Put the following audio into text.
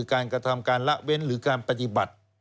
การกระทำการละเว้นหรือการปฏิบัติ